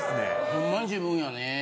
ホンマに自分やね。